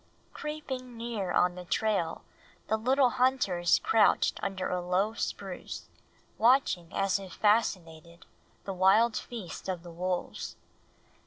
Creeping near on the trail the little hunters crouched under a low spruce, watching as if fascinated the wild feast of the wolves.